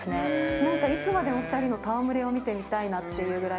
なんかいつまでも２人の戯れを見ていたいなっていうぐらい。